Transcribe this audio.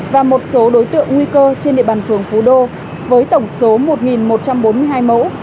và một số đối tượng nguy cơ trên địa bàn phường phú đô với tổng số một một trăm bốn mươi hai mẫu